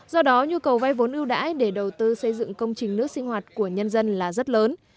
do đó nhu cầu vay vốn ưu đãi để đầu tư xây dựng công trình nước sinh hoạt của nhân dân là rất lớn